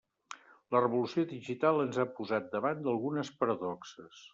La revolució digital ens ha posat davant d'algunes paradoxes.